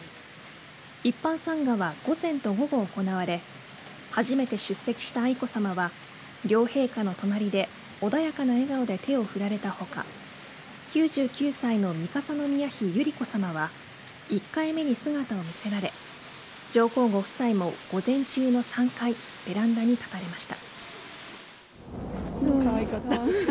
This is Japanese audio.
一般参賀は午前と午後行われ初めて出席した愛子さまは両陛下の隣で穏やかな笑顔で手を振られた他、９９歳の三笠宮妃百合子さまは１回目に姿を見せられ上皇ご夫妻も午前中の３回ベランダに立たれました。